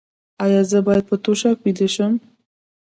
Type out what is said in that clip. ایا زه باید په توشک ویده شم؟